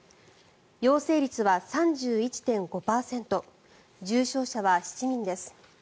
陽性率は３１．５％重症者は７人です。